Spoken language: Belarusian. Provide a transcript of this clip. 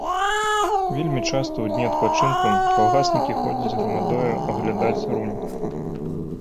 Вельмі часта ў дні адпачынку калгаснікі ходзяць грамадою аглядаць рунь.